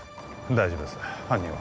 大丈夫です犯人は？